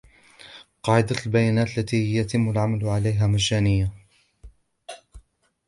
قاعدة البيانات التي يتم العمل عليها مجانية